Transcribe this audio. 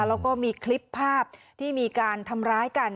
แล้วก็มีคลิปภาพที่มีการทำร้ายกัน